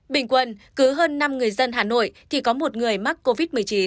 bình quân cứ hơn năm người dân hà nội thì có một người mắc covid một mươi chín